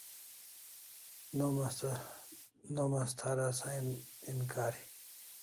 Nom asta thara sign in kari